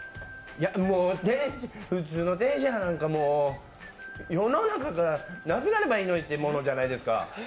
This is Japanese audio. いや、もう普通の天津飯なんか、世の中からなくなればいいのにってものじゃないですか。